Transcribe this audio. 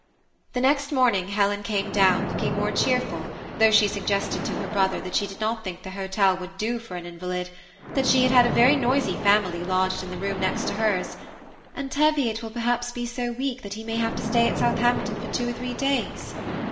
The next morning Helen came down, looking more cheerful, though she su^ested to her brother that she did not think the hotel would do for an invalid; that THE SEMI ATTACHED COUPLE. 801 she had had a very noisy family lodged in the next room to hers; "and Teviot will perhaps be so weak, that wire may have to stay at Southampton for two or three days."